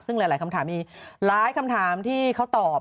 ซึ่งหลายคำถามมีหลายคำถามที่เขาตอบ